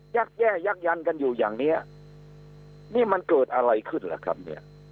แย่ยักยันกันอยู่อย่างเนี้ยนี่มันเกิดอะไรขึ้นล่ะครับเนี่ย